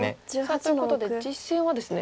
ということで実戦はですね